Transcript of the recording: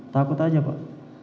takut saja pak